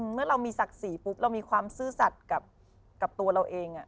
เมื่อเรามีศักดิ์ศรีปุ๊บเรามีความซื่อสัตว์กับตัวเราเอง